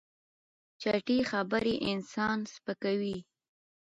چټي خبرې انسان سپکوي.